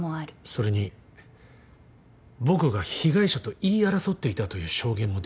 それに僕が被害者と言い争っていたという証言も出てきて。